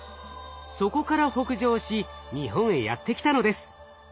そこから北上し日本へやって来たのです。